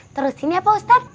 terusin ya pak ustadz